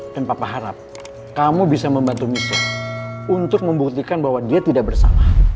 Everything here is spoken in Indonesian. dan papa harap kamu bisa membantu michelle untuk membuktikan bahwa dia tidak bersalah